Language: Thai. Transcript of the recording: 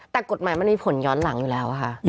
แต่กฎหมายมันมีผลย้อนหลังอยู่แล้วค่ะ